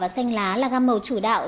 và xanh lá là gam màu chủ đạo